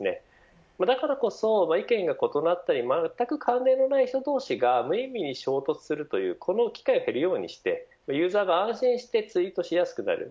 だからこそ、意見の異なる人関連のない人同士が、無意味に衝突する機会が減るようにしてユーザーが安心してツイートしやすくなる。